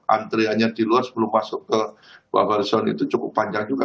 antriannya di luar sebelum masuk ke buffle zone itu cukup panjang juga